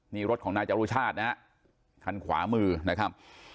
นี่รถของนายจรุชาตินะฮะคันขวามือนะครับ